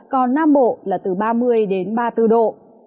còn nam bộ là từ ba mươi đến ba mươi bốn độ